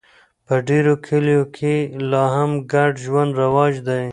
په ډېرو کلیو کې لا هم ګډ ژوند رواج دی.